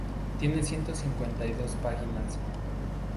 Tiene ciento cincuenta y dos páginas.